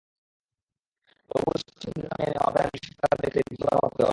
তবু ইস্পাতসম দৃঢ়তা নিয়ে নেয়া পেনাল্টি শটটা দেখলে দ্বিতীয়বার ভাবতে হয়।